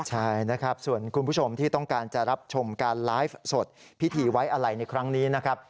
ใช่นะครับส่วนคุณผู้ชมที่ต้องการจะรับชมการไลฟ์สดพิธีไว้อะไรในครั้งนี้นะครับ